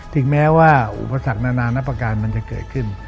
ถึงแม้ว่าอุปสรรคนานับประการมันจะเกิดขึ้น